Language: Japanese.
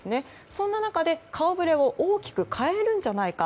そんな中で、顔ぶれを大きく変えるんじゃないか